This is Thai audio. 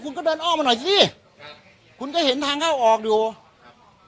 คุณก็เดินอ้อมมาหน่อยสิคุณก็เห็นทางเข้าออกอยู่ครับ